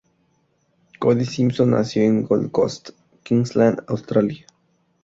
Cody Simpson nació en Gold Coast, Queensland, Australia.